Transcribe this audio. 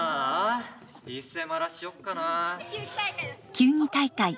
球技大会。